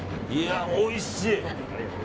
おいしい。